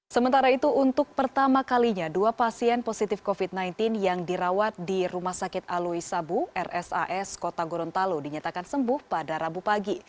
sementara itu untuk pertama kalinya dua pasien positif covid sembilan belas yang dirawat di rumah sakit alui sabu rsas kota gorontalo dinyatakan sembuh pada rabu pagi